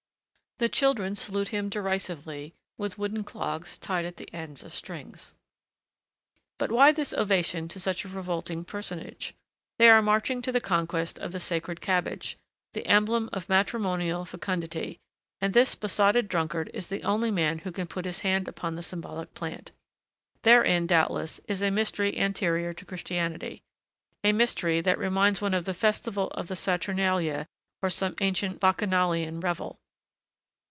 The children salute him derisively with wooden clogs tied at the ends of strings. But why this ovation to such a revolting personage? They are marching to the conquest of the sacred cabbage, the emblem of matrimonial fecundity, and this besotted drunkard is the only man who can put his hand upon the symbolical plant. Therein, doubtless, is a mystery anterior to Christianity, a mystery that reminds one of the festival of the Saturnalia or some ancient Bacchanalian revel.